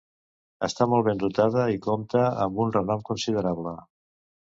Està molt ben dotada, i compta amb un renom considerable.